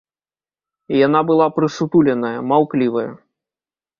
Яна была прысутуленая, маўклівая.